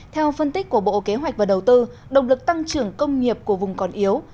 theo phân tích của bộ kế hoạch và đầu tư động lực tăng trưởng công nghiệp của vùng còn yếu